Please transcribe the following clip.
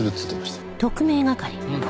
うん。